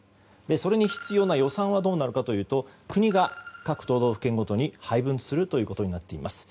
それに必要な予算はどうなるかというと国が各都道府県ごとに配分することになっています。